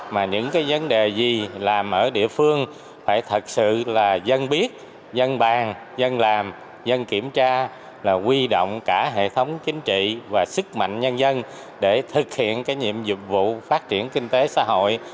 mà những cái vấn đề gì làm ở địa phương phải thật sự là dân biết dân bàn dân làm dân kiểm tra là quy động cả hệ thống chính trị và sức mạnh nhân dân để thực hiện cái nhiệm dụng vụ phát triển kinh tế xã hội